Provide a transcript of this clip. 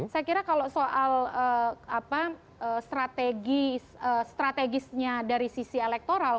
saya kira kalau soal strategisnya dari sisi elektoral